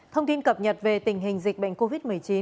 thông tin cập nhật về tình hình dịch bệnh covid một mươi chín